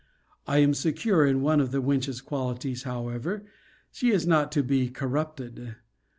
I am secure in one of the wench's qualities however she is not to be corrupted.